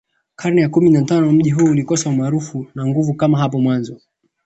Karne ya kumi na tano mji huu ulikosa umaarufu na nguvu kama hapo mwanzo